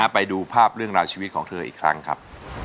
ไปดูภาพเรื่องราวชีวิตของเธออีกครั้งครับ